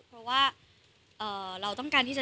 เพราะว่าเราต้องการที่จะ